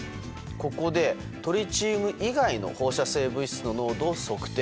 ここでトリチウム以外の放射性物質の濃度を測定。